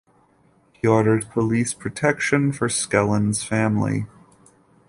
He orders police protection for Skellen's family.